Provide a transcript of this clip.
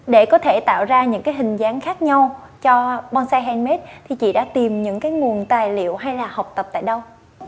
để có thể tạo ra những cái hình dáng khác nhau cho bonsai handmade thì chị đã tìm những cái nguồn tài liệu hay là học tập tại đâu